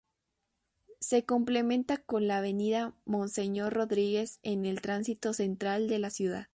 Se complementa con la Avenida Monseñor Rodríguez en el tránsito central de la ciudad.